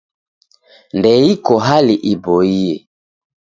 Ndw'iko hali iboie.